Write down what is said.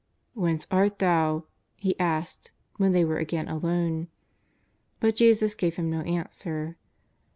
'^ Whence art Thou ?" he asked, when they were again alone. But Jesus gave him no answer.